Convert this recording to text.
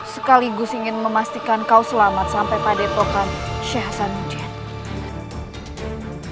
sekaligus ingin memastikan kau selamat sampai pada epokan syekh hasanuddin